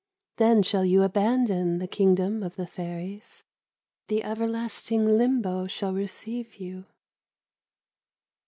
Then shall you abandon the kingdom of the Fairies the everlasting Limbo shall receive you."